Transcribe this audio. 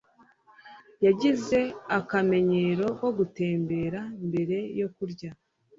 Yagize akamenyero ko gutembera mbere yo kurya.